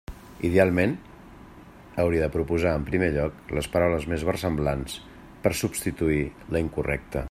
Idealment, hauria de proposar en primer lloc les paraules més versemblants per substituir la incorrecta.